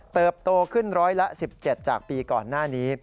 โตขึ้นร้อยละ๑๗จากปีก่อนหน้านี้